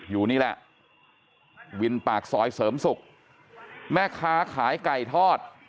อยู่นี่แหละวินปากซอยเสริมศุกร์แม่ค้าขายไก่ทอด